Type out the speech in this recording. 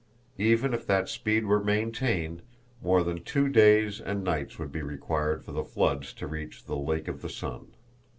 Even if that speed were maintained, more than two days and nights would be required for the floods to reach the Lake of the Sun.